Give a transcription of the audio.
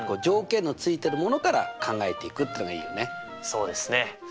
そうですね。